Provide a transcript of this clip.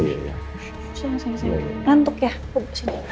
apa sih pak